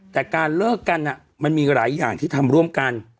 แต่การเลิกกันมันมีหลายอย่างที่ทำร่วมกัน